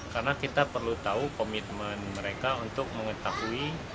karena kita perlu tahu komitmen mereka untuk mengetahui